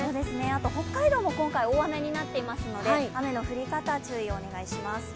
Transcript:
北海道も今回大雨になっていますので、雨の降り方、注意をお願いします。